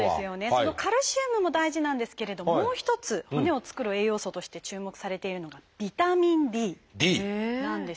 そのカルシウムも大事なんですけれどもう一つ骨を作る栄養素として注目されているのがビタミンＤなんです。